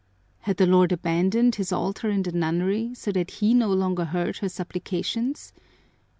Had the Lord abandoned his altar in the nunnery so that He no longer heard her supplications?